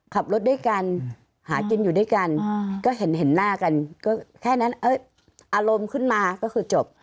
ขับรถด้วยกันหากินอยู่ด้วยกันก็เห็นหน้ากันก็แค่นั้นอารมณ์ขึ้นมาก็คือจบ